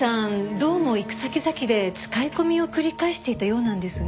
どうも行く先々で使い込みを繰り返していたようなんですが。